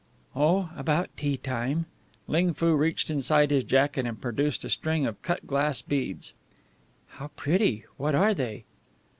"Oh, about tea time." Ling Foo reached inside his jacket and produced a string of cut glass beads. "How pretty! What are they?"